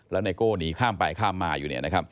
แล้วไนโก้หนีข้ามไปข้ามมาอยู่เนี่ยนะครับ